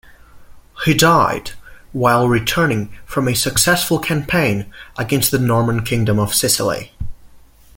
He died while returning from a successful campaign against the Norman Kingdom of Sicily.